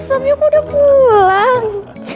wah suami aku udah pulang